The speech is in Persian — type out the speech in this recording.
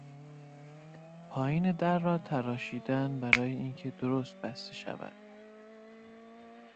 پایین در را تراشیدن برای اینکه درست بسته شود